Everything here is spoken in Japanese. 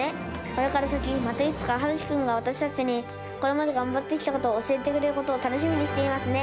これから先、またいつか陽生君が私たちに、これまで頑張ってきたことを教えてくれることを楽しみにしていますね。